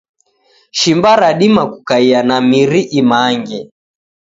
Shimba radima kukaia na miri imange.